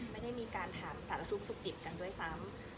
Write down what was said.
ไม่ได้มีการถามสารทุกข์สุขดิบกันด้วยซ้ำ